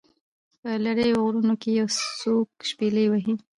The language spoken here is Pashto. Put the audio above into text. په لیرو غرونو کې یو څوک شپیلۍ وهي